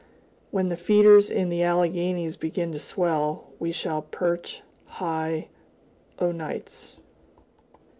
When the feeders in the Alleghanies begin to swell, we shall perch high o' nights.